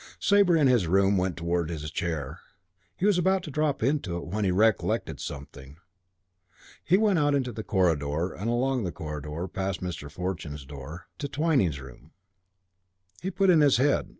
Sabre, in his room, went towards his chair. He was about to drop into it when he recollected something. He went out into the corridor and along the corridor, past Mr. Fortune's door (Canon Toomuch coming heavily up the stairs) to Twyning's room. He put in his head.